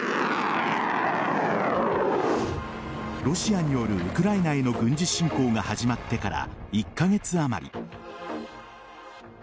ロシアによるウクライナへの軍事侵攻が始まってから１カ月あまり。